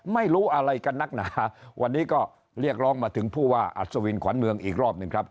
ไม่รู้อะไรกันนักหนาวันนี้ก็เรียกร้องมาถึงผู้ว่าอัศวินขวัญเมืองอีกรอบหนึ่งครับ